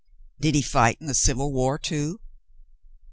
"Did he fight in the Civil War, too